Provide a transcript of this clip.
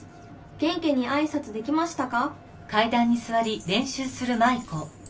元気にあいさつできましたか？」。